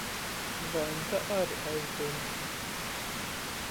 Venta ari aizdūmeiga.